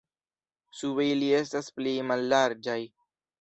Sube ili estas pli mallarĝaj.